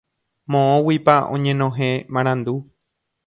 Moõguipa oñenohẽ marandu.